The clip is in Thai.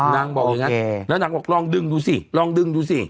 นางบอกอยู่แน็ตแล้วนางบอกลองดึงดูสิลองดึงดูสิ